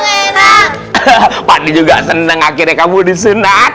hahaha pandi juga seneng akhirnya kamu disunat